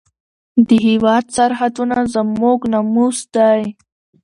د هېواد سرحدونه زموږ ناموس دی.